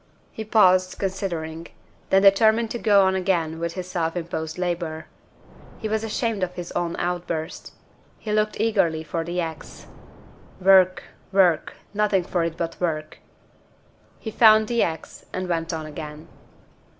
He paused, considering then determined to go on again with his self imposed labor. He was ashamed of his own outburst. He looked eagerly for the ax. "Work, work! Nothing for it but work." He found the ax, and went on again.